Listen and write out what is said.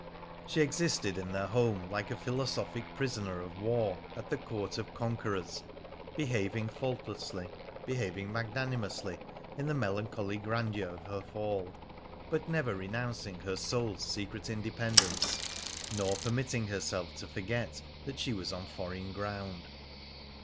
She existed in their home like a philosophic prisoner of war at the court of conquerors, behaving faultlessly, behaving magnanimously in the melancholy grandeur of her fall, but never renouncing her soul's secret independence, nor permitting herself to forget that she was on foreign ground.